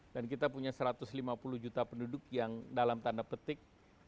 dan kita punya satu ratus lima puluh juta penduduk yang dalam tanda petik